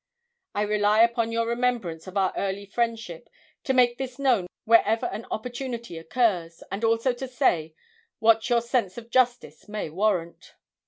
I rely upon your remembrance of our early friendship to make this known wherever an opportunity occurs, and also to say what your sense of justice may warrant.'